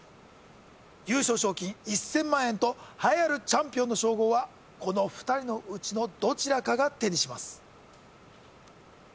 優勝賞金１０００万円と栄えあるチャンピオンの称号はこの２人のうちのどちらかが手にします